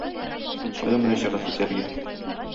Кая мөрәҗәгать итәргә?